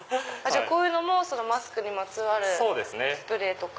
こういうのもマスクにまつわるスプレーとか。